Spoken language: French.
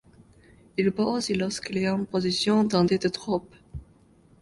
Il peut aussi lorsqu'il est en position tenter des drops.